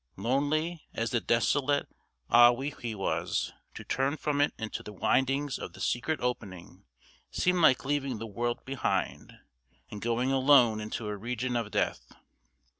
Lonely as the desolate Ahwewee was, to turn from it into the windings of the secret opening seemed like leaving the world behind and going alone into a region of death.